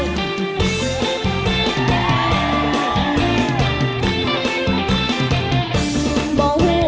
อีกอย่างคือหนู